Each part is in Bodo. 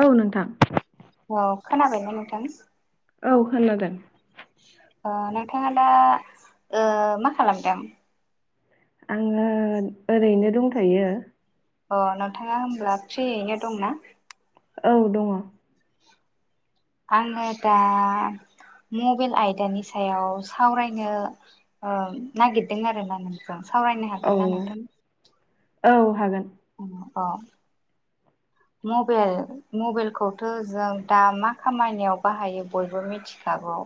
औ नोंथां। औ खोनाबायना नोंथां? औ खोनादों। ओ नोंथाङा दा ओ मा खालामदों आङो ओरैनो दंथयो अ नोंथाङा होमब्ला फ्रियैनो दंना औ दङ! आंङो दा मबाइल आयदानि सायाव सावरायनो ओ नागिरदों आरोना नोंजों सावरायनो औ हागोन ना नोंथां? औ हागोन अह मबेल मबाइेलखौथ' जों दा मा खामानियाव बाहायो बयबो मिथिखा वाव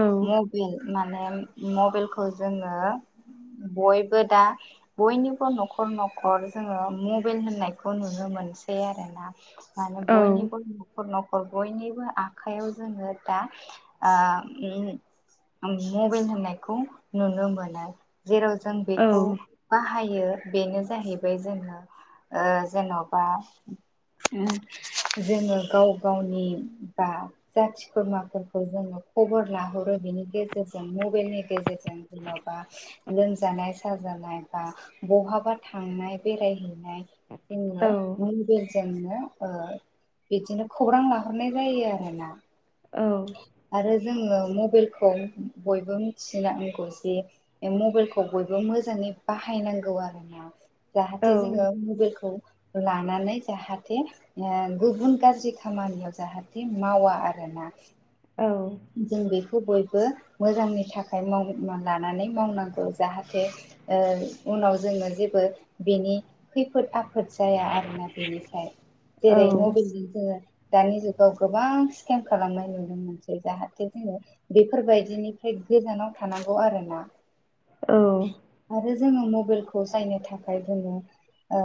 औ मबेल माने मबेलखौ जोंङो। बयबो दा बयनिबो न'खर न'खर जोङो मबाइल होननायखौ नुनो मोन मोनसै आरोना माने औ बयनिबो न'खर न'खर बयनिबो आखाइयाव जोङो दा ओ [unintelligible] मबेल होननायखौ नुनो मोनो। जेराव जों औ बेखौ बाहाय यो बेनो जाहैबाय जोङो ओ जेन'बा ओ जोङो गाव गावनि बा जाथि खुरमाफोरखौ जोङो खबर लाहरो बेनि गेजेरजों मबेलनि गेजेरजों जेन'बा लोमजानाय साज नाय बा बहाबा थांनाय बेरायहैनाय औ जोंङो [unintelligible] जोंनो ओ बिदिनो खौरां लाहरनाय जायो आरोना। औ आरो जोङो मबेलखौ बयबो मिथिनांगौ जे ओ मबेलखौ बयबो मोजांङै जे बाहायनांगौ आरोना औ जाहाथे जोङो मबेलखौ लानानै जाहाथे ओ गुबुन गाज्रि खामानियाव जाहाथे मावा आरोना औ जों बे खौ बयबो मोजांनि थाखाय मावग्रोना लानानै मावनांगौ जाहाथे ओ उनाव जोङो जेबो बिनि खैफोद आफ फोद जाया आरोना बेनिफ्राय औ जेरै मबेलजों जोंङो दानि जुगाव गोबां स्केम खालामनाय नुनो मोनज जाहाथे जोङो बेफोरबायदिनिफ्राय गोजानाव थानांगौ आरो ना औ जोङो मबेलखौ जायनो थाखाय बुङो ओ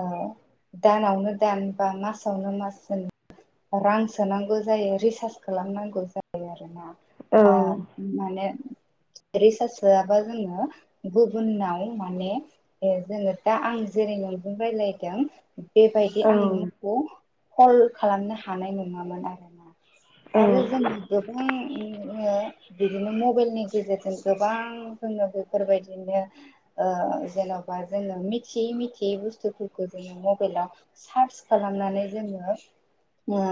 दानावनो दान बा मासावनो मास जोन रां सोनांगौ जायो रिसार्ज खालामनांगौ जायो आरोना औ आ माने रिसार्च होआबा जोंङो गुबुनाव माने ओ जोङो दा आं जेरैनो [unintelligible] जों रायलायदों बेबायदि आं नोंखौ कल खालामनो हानाय नङामोन आरो ना। आरो जों गोबांङ जोंङो बिदिनो मबेलनि गेजेरजों गोबां जोंङो बेफोरबायदिनो ओ ओ जेन'बा जोै बुु जोङो मबाइलाव सार्च खालामनानै [unintelligible] जोंङो ओ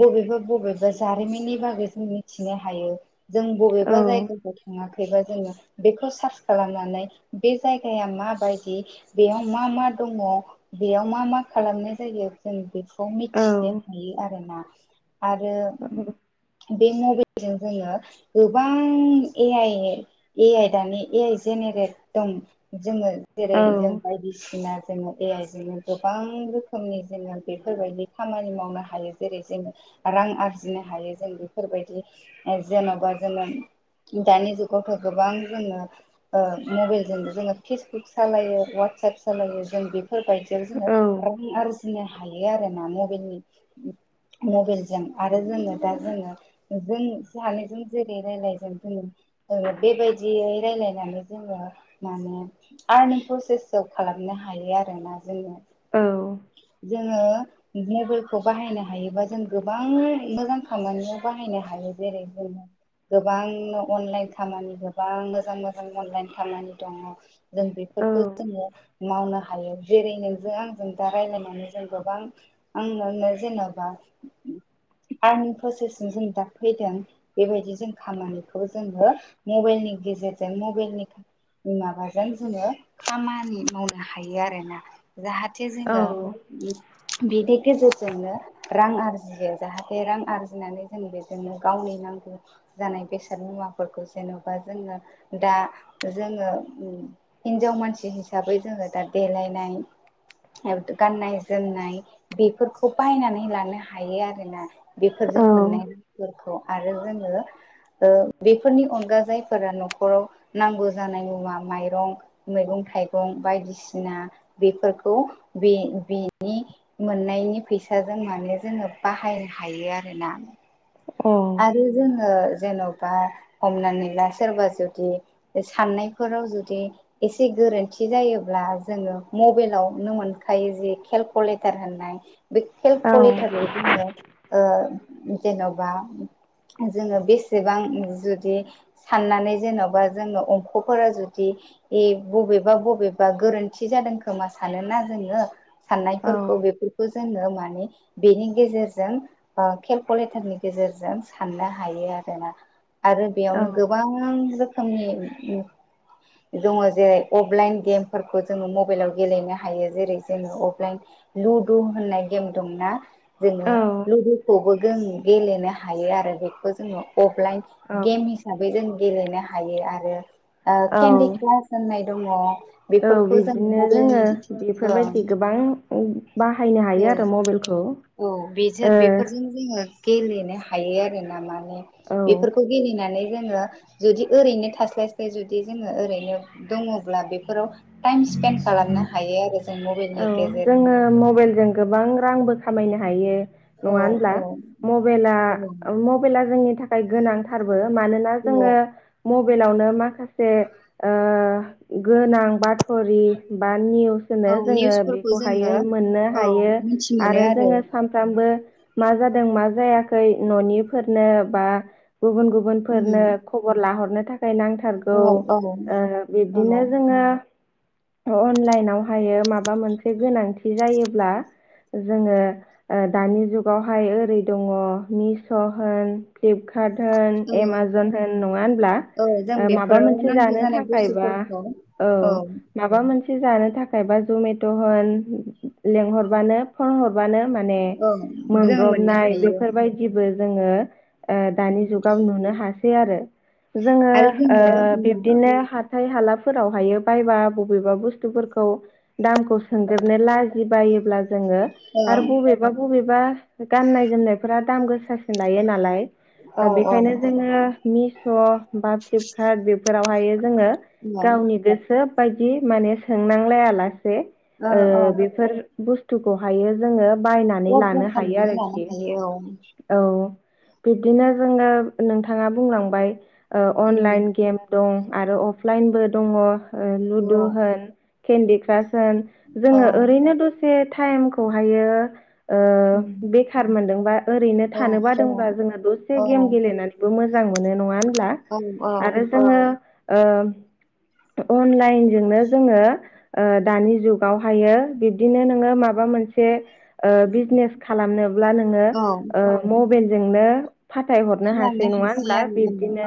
बबेबा बबेबा जारिमिननि बागै जों मिथिनो हायो। जों बबेबा जायगाखौ थाङा बेबा जोङो बेखौ सार्च खालामनानै बे जायगाया माबायदि बेयाव मा मा दङ बेयाव मा मा खालामनाय जायो जों बे खौ मिथिनो हायो आरोना आरो बे मबेलजों जोङो गोबां ए आइ ए आइ दानि ए आइ जेने रेल दम जोङो जेरै जों बायदिसिना जोङो ए आइ जोंनो गोबां रोखोमनि जोङो बेफोरबायदि खामानि मावनो हायो। हायो जेरै जोङो रां आरजिनो हायो जों बेफोरबायदि जेन'बा जोङो दानि जुगावथ' गोबां जोङो ओ मबाइलजोंनो जोङो फेसबुक सालायो वाट फिसा फिसालायो जों बेफोरबायदियाव जोङो रां आरजिनो हायो आरो ना मबेलनि [unintelligible] मबेलजों आरो जोङो दा जोङो जों सानैजों जेरै रायलायजों जोङो ओ बेबायदियै रायलायनानै जोङो माने आर्निं प्रसेससो खालामनो हायो आरोना जोंङो जोङो मबेलखौ बाहायनो हायोबा जों गोबां मोजां खामानियाव बाहायनो हायो जेरै जों [unintelligible] गोबांनो अनलाइन खामानि गोबां मोजां मोजां अनलाइन खामानि दङ। जों बेफोरखौ जोङो मावनो हायो जेरै नोंजों आंजों दा रायजलायनानै जों गोबां आंननो जेनेबा आनि प्रसेसजों जों दा फैदों बेबायदि जों खामानिखौ जोंबो मबाइलनि गेजेरजों मबाइलनि माबाजों जोङो खामानि मावनो हायो आरोना। जाहा जे जोङो बिदि गेजेर जोंनो रां आरजियो जाहाथे रां आरजिनानै जों बेजोंनो गावनि नांगौ जानाय बेसाद मुवाफोरखौ जेन'बा जोङो दा जोङो हिजाव मानसि हिसाबै जोङो दा देलायनाय गाननाय जोमनाय बेफोरखौ बायनानै लानो हायो आरोना बेफोरजों मोननाय फोरखौ आरो जोङो ओ बेफोरनि अनगा जायफोरा न'खराव नांगौ जानाय मुवा। माइरं मैगं थाइगं बायदिसिना बेफोर खौ बे बेनि मोननायनि फैसाजों माने जोङो बाहायनो हायो आ रोना आरो जोङो। जेन'बा हमनानै ला सोरबा जुदि साननायफोराव जुदि एसे गो गोरोन्थि जायोब्ला जोङो मबाइलावनो मोनखायो जे केलकुलेटार होननाय। बे खेलकलेटारजों जोङो ओ जेन'बा। जोङो बेसेबां जुदि साननानै जेन'बा जोंङो अंखफोर जु दि ए बबेबा बबेबा गोरोन्थि जादों खोमा सानोना जोङो। साननायफोरखौ बेफोरखौ जोङो माने बेनि गेजेरजों केलकुलेटारनि गेजेरजों साननो हायो आरोना। आरो बेयावनो गोबां रोखोमनि दङ जेरै अफलाइन गेमफोरखौ जोङो मबाइलाव गेलेनो हायो जेरै जोङो अफलाइन लुदु होननाय गेम दं ना? जोङो लुदुखौबो जों गेलेनो हायो आरो बेखौ जोङो अफलाइन गेम हिसाबै जों गेलेनो हायो आरो औ केन्दि क्लास होननाय दङ। औ बेफोरखौ जों बिदिनो जोङो मबाइलनि ओं बेफोरबायदि गोबां बाहायनो हायो औ आरो मबाइलखौ औ बेजों ओ बेफोरजों जोङो गेलेनो हायो आरो ना मा ने औ बेफोरखौ गेलेनानै जोंङो जुदि ओरोयनो जास्लाय स्लाय जुदि जोंङो ओरोइनो दङब्ला बेफोराव टाइम स्पेन्ड खालामनो हायो आरो जों औ मबाइलनि गेजेरजों जोङो मबाइलजों गोबां रांबो खामायनो हायो। औ नङा होनब्ला? औ मबाइला औ मबाइला जोंनि थाखाय गोनांथारबो। मानोना औ जोङो मबाइलावनो माखा से ओ गोनां बाथरि बा निउस औ होनो जोङो निउसफोरखौ बेखौहायो जोङो मोननो औ हायो मिथि मोनो आरो जोङो सानफ्रामबो मा जादों मा जायाखै न'निफोरनो बा गुबुन गुबुनफोरनो उम खबर लाहरनो जाय नांथारगौ औ औ ओ औ बिब्दिनो जोङो। अनलाइनावहायो माबा मोनसे गोनांथि जायोब्ला जोङो दानि जुगावहाय ओरै दङ मिस' होन फ्लिपकार्ट होन औ एमाजन होन नङा होनब्ला? औ जों माबा बेफोराव मोनसे नांगौ जानो जानाय थाखाय बा बुस्थुफोरखौ औ माबा मोन से जानो थाखाय बा जमेट' लेंहरबानो फन बानो माने औ जोङो मोननो मोनब्रबनाय हायो बेफोरबायदिबो जोङो दानि उम जुगाव नुनो हासै आरो जोङो आरो जोङो उम बिब्दिनो हाथाय हाला फोराव हायो बायबा बबेबा बुस्थुफोरखौ दामखौ सोंजोबनो लाजि बायोब्ला जोङो आरो ओं बबेबा बबेबा गाननाय जोमनायफोरा दाम गोसासिन लायो नालाय औ औ ओं बेखायनो जोङो मिश' बा फ्लिपकार्ट बेफोरावहायो जोङो ओ औ गावनि गोसो बायदि माने सोंनांलायालासे बे बेफोर बुस्थुखौहायो जोङो बायनानै अर्डार लानो हायो खालामना लानो आरोखि हायो औ औ बिब्दिनो जोंनो नोंथाङा बुंलांबाय उम अनलाइन गेम दं। आरो अफलाइनबो दङ लुदु होन केन्डि क्रास होन औ जोङो ओरैनो दसे ताइमखौहायो उम बेखार मोनदोंबा ओरैनो औ थानो औ बादोंबा जोङो दसे औ गेम गेलेनानैबो मोजां मोजां मोनो नङा होनब्ला औ औ आरो जोङो अनलाइनजोंनो जोङो दानि जुगावहायो बिब्दिनो नोङो माबा मोनसे बिजनेस खालामनोब्ला नोङो औ मबाइलजोंनो फाथायहरनो खालामनो हासै नङा होनब्ला आरो उम बिब्दिनो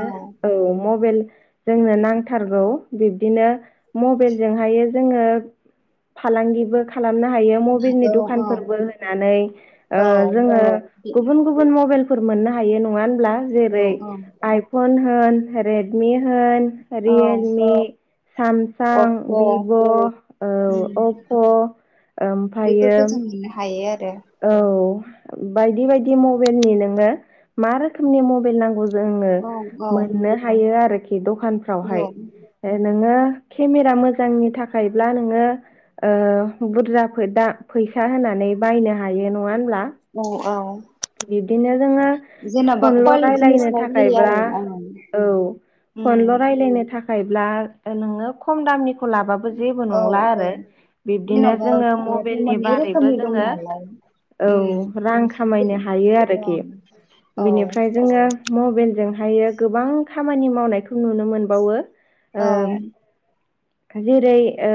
औ मबाइल जोंनो नांथारगौ बिब्दिनो मबाइेलजोंहाय जोङो फालांगिबो नो हायो मबेलनि औ दख औ होनानै जोङो गुबुन गुबुन मबेल फोर मोननो हायो नङा होनबा औ जेरै औ आइपन होन रेदमि हो होन औ रियेलमि सामसां अप्प' भिभ' उम औ अप' ओमफ्रायो बेफोरखौ जों मोननो हायो आरो औ बायदि बायदि मबाइलनि नोङनो मा रोखोमनि मबाइल नांगौ जोङो औ मोननो हायो आरोखि दखानफ्रावहाय औ नोङो केमेरा मोजांनि थाखायब्ला नोङो बुरजा दा फैसा होनानै बायनो हायो नङा होनब्ला औ औ बिब्दिनो जोङो जेन'बा फनल' कुवालिटिनि रायलायनो सायाव जायो थाखायब्ला आरो ओं औ उम फनल' रायलायनो थाखायब्ला नोङो खम दामनि खौ लाबाबो जेबो औ नंला औ आरो बिब्दिनो जेन'बा जोङो संनायाथ' मबाइलनि मोननै रोखोमनि बारैबो दं जोङो नालाय उम औ रां खामायनो हायो आरोखि औ बिनिफ्राय जोङो मबाइलजों ह गोबां खामानि मावनायखौ नुनो मोनबावो औ खाजिर आ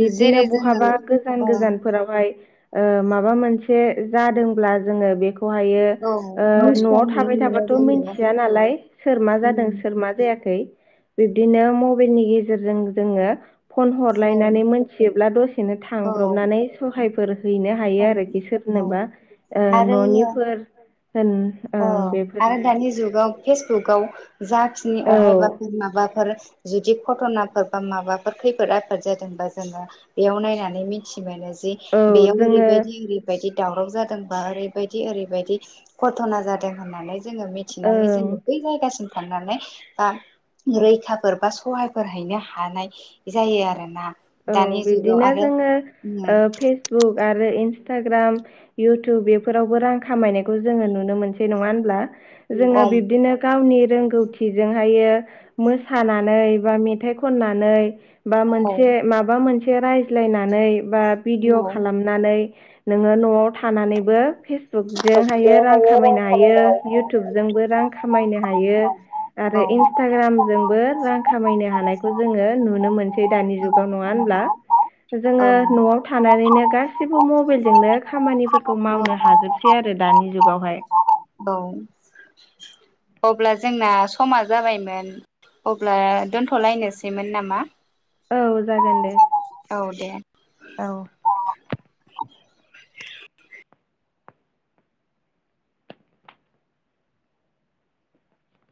बिब्दिनो जेरै जोङो बहाबा गोजान औ गोजानफोरावहाय माबा मोनसे जादोंब्ला जोङो बेखौ औ खौह न'आव मुसथानि थाबाय मोनो थाबाथ' जोङो मिथिया नालाय सोर मा जादों उम सोर मा जायाखै बिब्दिनो मबाइलनि गेजेरजों जोङो फन औ हरलायनानै मोनथियोब्ला दसेनो औ थांब्रबनानै सहायफोर हैनो औ हायो आरोखि औ सोरनोबा आरो न'निफोर होन अ ओं आरो बेफोरनो दानि जुगाव फेसबुकाव जाखिनि औ अहायबाफोर माबाफोर जुदि गथनाफोर बा माबाफोर खैफोद आफोद जादोंबा जोङो बेयाव नायनानै मिथि मोनो औ बेयाव जोङो ओरैबायदि ओरैबायदि दावराव जादोंबा ओरैबायदि ओरैबायदि गथना जादों होननानै जोङो मिथिनानै जोङो ओं बै जायगासिम थांनानै बा रैखाफोर बा सहायफोर हैैनो हानाय जायो आरोना। औ दानि जुगाव बिब्दिनो आरो जोङो फेसबुक आरो इन्सटा इन्स्टाग्राम इउटुब बेफोरावबो रां खामायनायखौ जोङो नुनो मोनसै नङा होनब्ला। जोङो उम बिब्दिनो गावनि रोंगौथिजोंह मोसानानै बा मेथाइ खननानै बा औ मोनसे जे माबा मोनसे रायज्लायनानै बा भिडिअ' औ औ खालामनानै नोङो न'आव थानानैबो फेस बुक जोंहायो रां खामायनो हायो इउटुबजोंबो रां खामायनो हायो आरो औ इनस्टाग्राम जोंबो रां खामायनो हानायखौ जोङो नुनो मोनसै दानि जुग गाव नङा होमब्ला? औ जोङो न'आव थानानैनो गासैबो मबाइलजोंनो खामानि फोरखौ मावनो हाजोबसै आरो दानि जुगावहाय औ अब्ला जोंना समा जाबायमोन अब्ला दोनथ'लायनोसैमोन नामा? औ जागोन दे औ दे औ